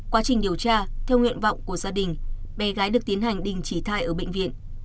quá trình điều tra theo nguyện vọng của gia đình bé gái được tiến hành đình chỉ thai ở bệnh viện